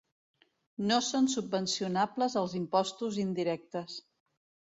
No són subvencionables els impostos indirectes.